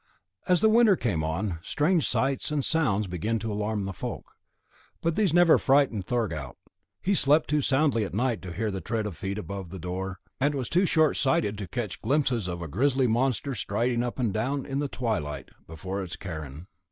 As the winter came on, strange sights and sounds began to alarm the folk, but these never frightened Thorgaut; he slept too soundly at night to hear the tread of feet about the door, and was too short sighted to catch glimpses of a grizzly monster striding up and down, in the twilight, before its cairn.